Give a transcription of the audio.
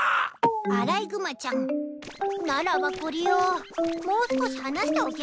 アライグマちゃんならばこりをもう少し離しておけばいいのでぃは？